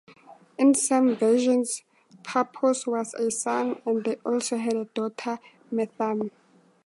In some versions Paphos was a son, and they also had a daughter, Metharme.